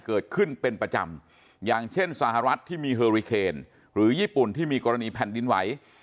เกิดขึ้นเป็นประจำอย่างเช่นสหรัฐที่มีเฮอริเคนหรือญี่ปุ่นที่มีกรณีแผ่นดินไหว